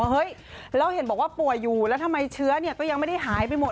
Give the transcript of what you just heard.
เฮ้ยแล้วเห็นบอกว่าป่วยอยู่แล้วทำไมเชื้อเนี่ยก็ยังไม่ได้หายไปหมด